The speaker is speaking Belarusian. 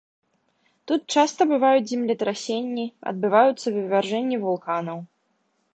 Тут часта бываюць землетрасенні, адбываюцца вывяржэнні вулканаў.